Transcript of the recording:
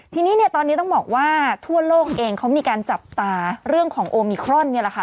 ทีนี้เนี่ยตอนนี้ต้องบอกว่าทั่วโลกเองเขามีการจับตาเรื่องของโอมิครอนเนี่ยแหละค่ะ